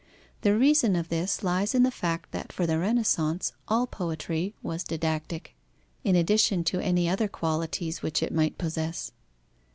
The reason of this lies in the fact that for the Renaissance all poetry was didactic, in addition to any other qualities which it might possess.